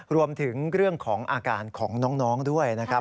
รวมถึงเรื่องของอาการของน้องด้วยนะครับ